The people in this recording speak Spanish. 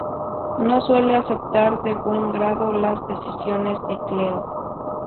No suele aceptar de buen grado las decisiones de Cleo.